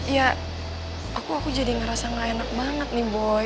ya aku aku jadi ngerasa gak enak banget nih boy